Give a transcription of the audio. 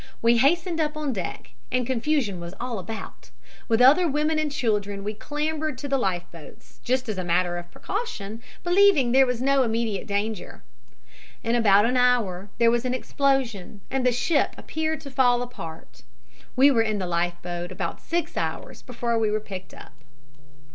We hastened up on deck, and confusion was all about. With other women and children we clambered to the life boats, just as a matter of precaution, believing that there was no immediate danger. In about an hour there was an explosion and the ship appeared to fall apart. We were in the life boat about six hours before we were picked up."